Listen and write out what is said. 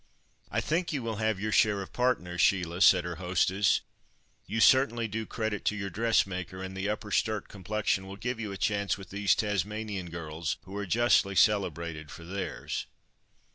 "I think you will have your share of partners, Sheila," said her hostess; "you certainly do credit to your dressmaker, and the Upper Sturt complexion will give you a chance with these Tasmanian girls, who are justly celebrated for theirs."